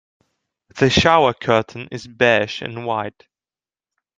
The shower curtain is beige and white.